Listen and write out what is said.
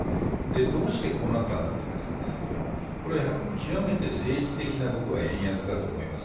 どうしてこうなったんだということなんですけど、極めて政治的な円安だと思います。